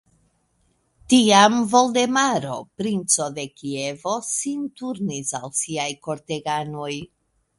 Tiam Voldemaro, princo de Kievo, sin turnis al siaj korteganoj.